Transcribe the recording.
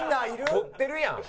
「取ってるやん！」